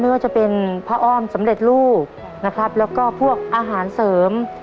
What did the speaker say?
ไม่ว่าจะเป็นผ้าอ้อมสำเร็จลูกนะครับแล้วก็พวกอาหารเสริม